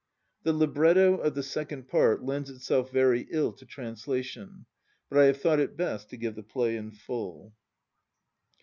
The libretto of the second part lends itself very ill to translation, but I have thought it best to give the play in full.